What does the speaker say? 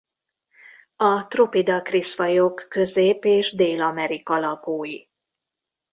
A Tropidacris-fajok Közép- és Dél-Amerika lakói.